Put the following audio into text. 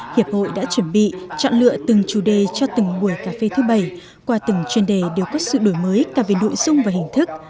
hiệp hội đã chuẩn bị chọn lựa từng chủ đề cho từng buổi cà phê thứ bảy qua từng chuyên đề đều có sự đổi mới cả về nội dung và hình thức